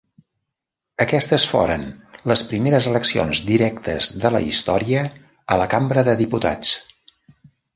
Aquestes foren les primeres eleccions directes de la història a la Cambra de Diputats.